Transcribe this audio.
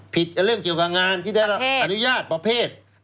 ผิดเรื่องเกี่ยวกับงานที่ได้แล้วอนุญาตประเภทประเภท